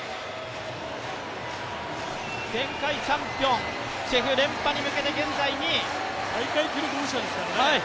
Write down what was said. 前回チャンピオンチェフ、連覇に向けて現在２位大会記録保持者ですからね。